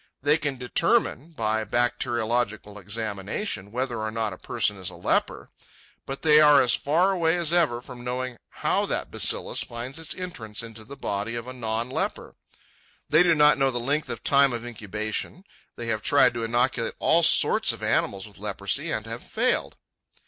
They can determine by bacteriological examination whether or not a person is a leper; but they are as far away as ever from knowing how that bacillus finds its entrance into the body of a non leper. They do not know the length of time of incubation. They have tried to inoculate all sorts of animals with leprosy, and have failed.